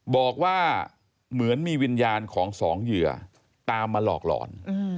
บอกว่าเหมือนมีวิญญาณของสองเหยื่อตามมาหลอกหลอน